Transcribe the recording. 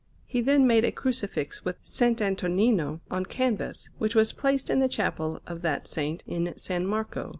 He then made a Crucifix with S. Antonino, on canvas, which was placed in the chapel of that Saint in S. Marco.